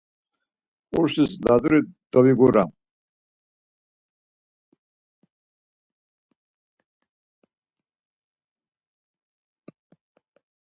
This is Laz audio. Ǩursis Lazuri doviguram.